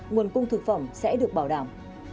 nguồn cung thực phẩm sẽ được bảo đảm